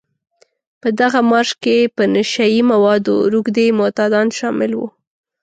په دغه مارش کې په نشه يي موادو روږدي معتادان شامل وو.